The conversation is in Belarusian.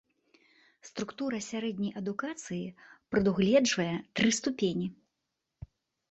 Структура сярэдняй адукацыі прадугледжвае тры ступені.